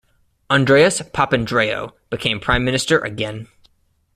Andreas Papandreou became Prime Minister again.